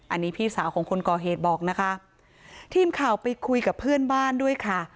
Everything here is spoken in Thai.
อันนี้พี่สาวของคนก่อเหตุบอกนะคะทีมข่าวไปคุยกับเพื่อนบ้านด้วยค่ะ